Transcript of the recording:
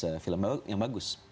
itu film yang bagus